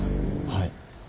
はい。